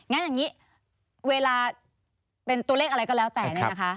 งั้นอย่างนี้เวลาเป็นตัวเลขอะไรก็แล้วแต่เนี่ยนะคะ